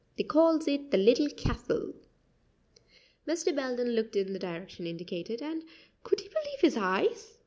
They calls it the Little Castle." Mr. Belden looked in the direction indicated, and could he believe his eyes!